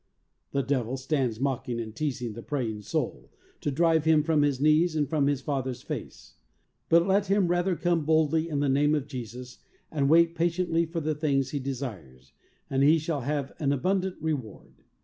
The devil stands mocking and teasing the praying soul, to drive him from his knees and from his Father's face, but let him rather come boldly in the name of Jesus and wait patiently for the things he desires, and he shall have an abundant reward.